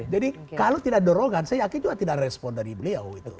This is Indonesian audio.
jadi kalau tidak dorongan saya yakin juga tidak ada respon dari beliau